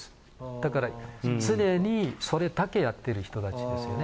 だから常にそれだけやってる人達ですよね。